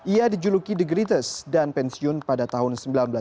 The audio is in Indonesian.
ia dijuluki the greatest dan pensiun pada tahun seribu sembilan ratus delapan puluh satu